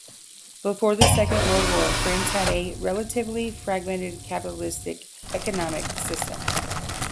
Before the Second World War, France had a relatively fragmented capitalist economic system.